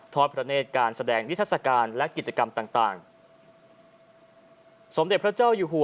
อดพระเนธการแสดงนิทัศกาลและกิจกรรมต่างต่างสมเด็จพระเจ้าอยู่หัว